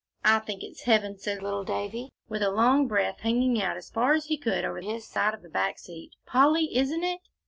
"I think it's heaven," said little Davie, with a long breath, hanging out as far as he could over his side of the back seat. "Polly, isn't it?"